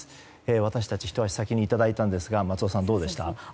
私たち、ひと足先にいただいたんですが松尾さん、どうでしたか。